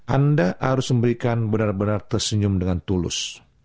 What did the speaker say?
anda harus memberikan benar benar tersenyum dengan tulus